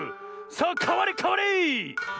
さあかわれかわれ！